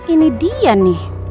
ini dia nih